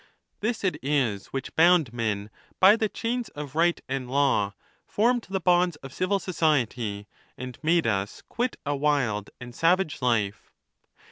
This it is which bound men by the chains of right and law, formed the bonds of civil society, and made us quit a wild and savage life.